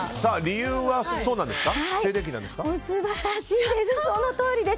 理由はそうなんですか？